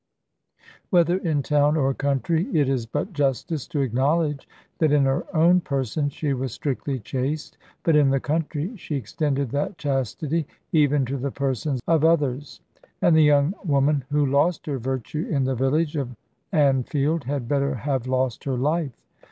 Whether in town or country, it is but justice to acknowledge that in her own person she was strictly chaste; but in the country she extended that chastity even to the persons of others; and the young woman who lost her virtue in the village of Anfield had better have lost her life.